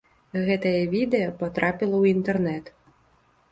Гэтае відэа патрапіла ў інтэрнэт.